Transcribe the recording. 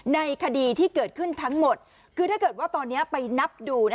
ในคดีที่เกิดขึ้นทั้งหมดคือถ้าเกิดว่าตอนนี้ไปนับดู